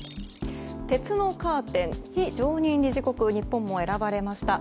鉄のカーテン、非常任理事国日本も選ばれました。